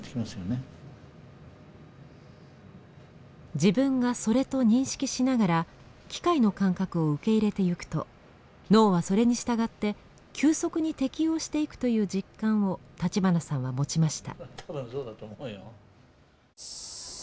自分がそれと認識しながら機械の感覚を受け入れていくと脳はそれに従って急速に適応していくという実感を立花さんは持ちました。